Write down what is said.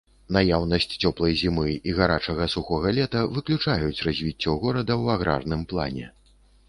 Наяўнасць цёплай зімы і гарачага сухога лета выключаюць развіццё горада ў аграрным плане.